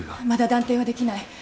まだ断定はできない。